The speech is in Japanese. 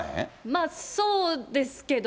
まあ、そうですけど。